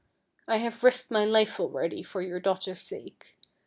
I have risked my life already for your daughter's sake.